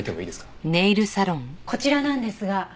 こちらなんですが。